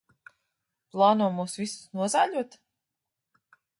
Plāno mūs visus nozāļot?